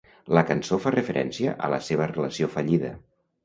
La cançó fa referència a la seva relació fallida.